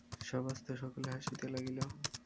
সভাস্থ সকলে হাসিতে লাগিল।